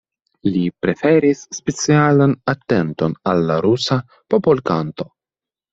Li preferis specialan atenton al la rusa popolkanto.